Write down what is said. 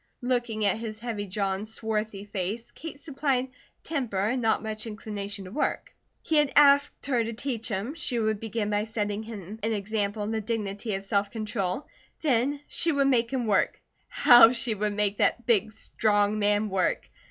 Looking at his heavy jaw and swarthy face, Kate supplied "temper" and "not much inclination to work." He had asked her to teach him, she would begin by setting him an example in the dignity of self control; then she would make him work. How she would make that big, strong man work!